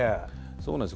そうなんです。